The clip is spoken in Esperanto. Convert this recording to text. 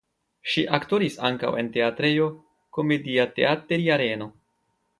Ŝi aktoris ankaŭ en teatrejo "Komediateatteri Areno".